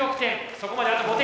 そこまであと５点。